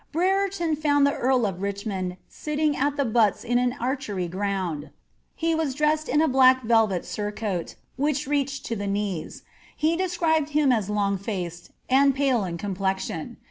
Brereton found the earl oi Richmond sitting at the butts in an archeij ffround ; he was dressed in a black velvet surcoat, which reached to the knees; he describes him as loni faced, and pale in complexioo.